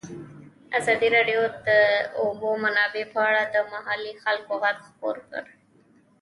ازادي راډیو د د اوبو منابع په اړه د محلي خلکو غږ خپور کړی.